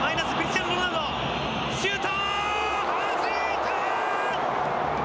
シュート！